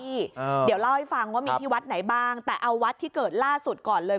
เดี๋ยวเล่าให้ฟังว่ามีที่วัดไหนบ้างแต่เอาวัดที่เกิดล่าสุดก่อนเลย